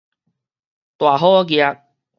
大好額